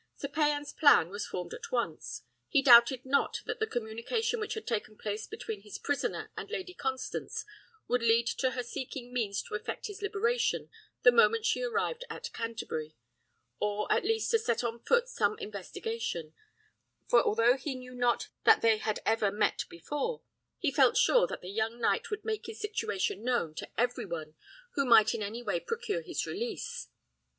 Sir Payan's plan was formed at once. He doubted not that the communication which had taken place between his prisoner and Lady Constance would lead to her seeking means to effect his liberation the moment she arrived at Canterbury, or at least to set on foot some investigation; for although he knew not that they had ever met before, he felt sure that the young knight would make his situation known to every one who might in any way procure his release.